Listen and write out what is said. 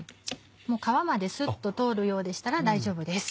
もう皮までスッと通るようでしたら大丈夫です。